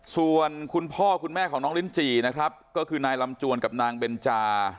ส่วนคุณพ่อคุณแม่ของน้องลิ้นจี่นะครับก็คือนายลำจวนกับนางเบนจา